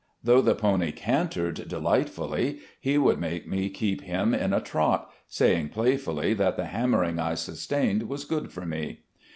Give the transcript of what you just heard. Though the pony cantered delight fully, he would make me keep him in a trot, saying play fully that the hammering I sustained was good for me.